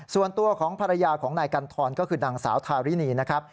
ส่วนตัวของภรรยาของนายกันทรก็คือนางสาวทารินีนะครับ